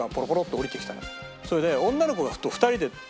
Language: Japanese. それで女の子と２人で。